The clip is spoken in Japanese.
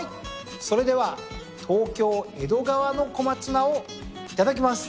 それでは東京江戸川の小松菜をいただきます。